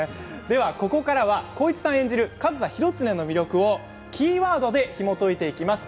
ここからは浩市さん演じる上総広常の魅力をキーワードでひもといていきます。